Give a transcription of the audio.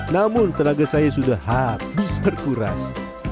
namun tenaga saya sudah habis terkuras